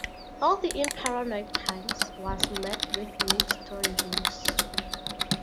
"Healthy in Paranoid Times" was met with mixed reviews.